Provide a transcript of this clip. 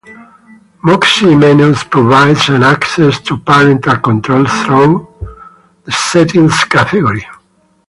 Moxi Menu provides access to parental controls through the settings category.